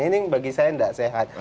ini bagi saya tidak sehat